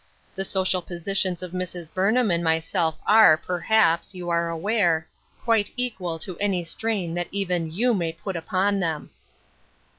The social positions of Mrs. Burn ham and myself are, perhaps, you are aware, quite equal to any strain that even you may put upon them.